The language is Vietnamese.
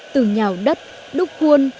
từ nhào đất đúc cuôn